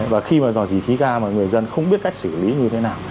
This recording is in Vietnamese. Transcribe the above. và khi mà dò dỉ khí ga mà người dân không biết cách xử lý như thế nào